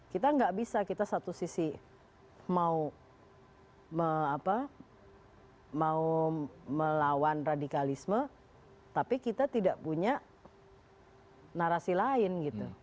kita nggak bisa kita satu sisi mau melawan radikalisme tapi kita tidak punya narasi lain gitu